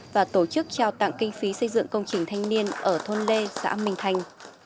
và tổ chức trao tặng kinh phí xây dựng công trình thanh niên ở thôn lê xã minh thành